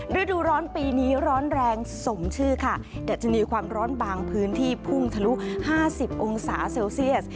ฤดูร้อนปีนี้ร้อนแรงสมชื่อค่ะดัชนีความร้อนบางพื้นที่พุ่งทะลุ๕๐องศาเซลเซียส